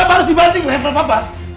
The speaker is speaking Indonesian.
kenapa harus dibandingin dengan yang bel papa